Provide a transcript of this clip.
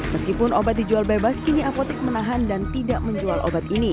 meskipun obat dijual bebas kini apotek menahan dan tidak menjual obat ini